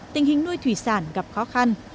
tình hình nuôi thủy sản gặp khó khăn